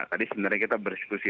tadi sebenarnya kita bersekutu